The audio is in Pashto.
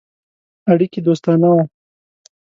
اړیکي دوستانه وه.